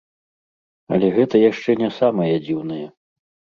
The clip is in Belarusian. Але гэта яшчэ не самае дзіўнае.